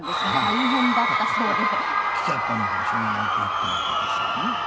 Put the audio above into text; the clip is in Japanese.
大変だったそうで。来ちゃったんだからしょうがないって行ったわけですよね。